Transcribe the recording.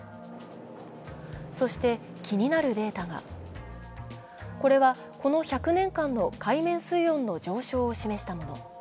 そして気になるデータがこれは、この１００年間の海面水温の上昇を示したもの。